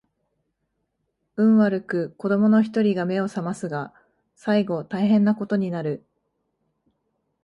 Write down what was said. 運悪く子供の一人が眼を醒ますが最後大変な事になる